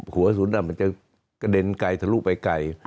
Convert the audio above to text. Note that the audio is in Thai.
หัวสุนมันจะกระเด็นไกลทะลุไปไกล